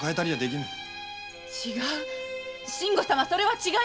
信吾様それは違います。